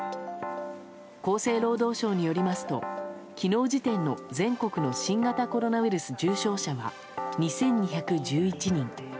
厚生労働省によりますと昨日時点の全国の新型コロナウイルス重症者は２２１１人。